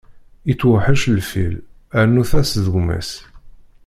Itweḥḥec lfil, rnut-as-d gma-s!